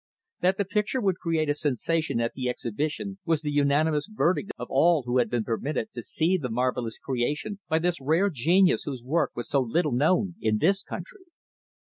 That the picture would create a sensation at the exhibition, was the unanimous verdict of all who had been permitted to see the marvelous creation by this rare genius whose work was so little known in this country.